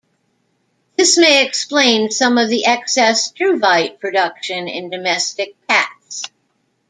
This may explain some of the excess struvite production in domestic cats.